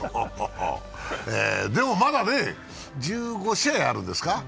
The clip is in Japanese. でもまだ１５試合あるんですか。